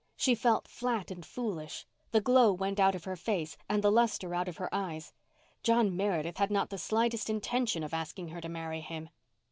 She felt flat and foolish. The glow went out of her face and the lustre out of her eyes. John Meredith had not the slightest intention of asking her to marry him.